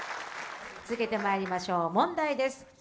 続けてまいりましょう、問題です。